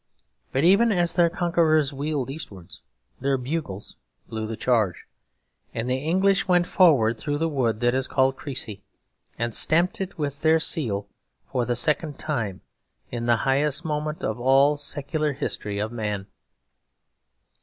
But even as their conquerors wheeled eastwards, their bugles blew the charge; and the English went forward through the wood that is called Creçy, and stamped it with their seal for the second time, in the highest moment of all the secular history of man.